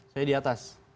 saya di atas